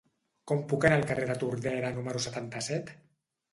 Com puc anar al carrer de Tordera número setanta-set?